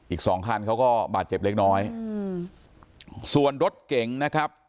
อีกสองคันเขาก็บาดเจ็บเล็กน้อยอืมส่วนรถเก๋งนะครับ